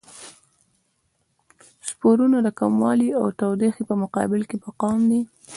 سپورونه د کموالي او تودوخې په مقابل کې مقاوم دي.